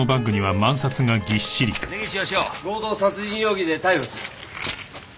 根岸義雄強盗殺人容疑で逮捕する。